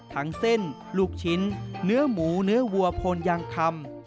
ทั้งเส้นลูกชิ้นเนื้อหมูเนื้อวัวพลยางคำ